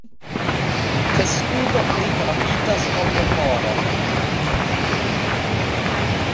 Testudo pli rapidas ol leporo.